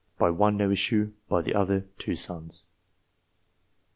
By one no issue ; by the other 2 sons.